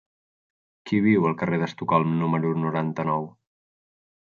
Qui viu al carrer d'Estocolm número noranta-nou?